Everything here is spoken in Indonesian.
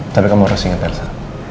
tapi kamu harus ingat persa